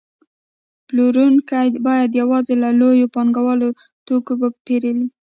پلورونکي باید یوازې له لویو پانګوالو توکي پېرلی